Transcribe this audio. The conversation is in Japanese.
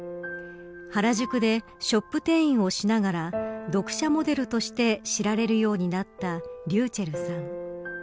原宿でショップ店員をしながら読者モデルとして知られるようになったｒｙｕｃｈｅｌｌさん。